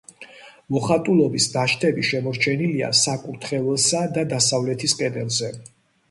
მოხატულობის ნაშთები შემორჩენილია საკურთხეველსა და დასავლეთის კედელზე.